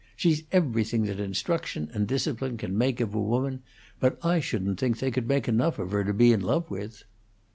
She's everything that instruction and discipline can make of a woman; but I shouldn't think they could make enough of her to be in love with."